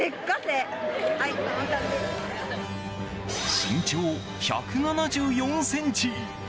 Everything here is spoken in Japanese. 身長１７４ｃｍ。